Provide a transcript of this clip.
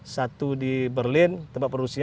satu di berlin tempat produksinya